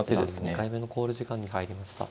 ２回目の考慮時間に入りました。